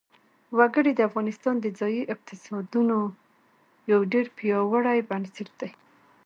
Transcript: وګړي د افغانستان د ځایي اقتصادونو یو ډېر پیاوړی بنسټ دی.